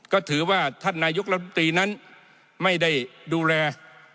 ก็ถือว่าท่านนายกรัฐมนตรีนั้นไม่ได้ดูแล